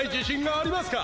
あります！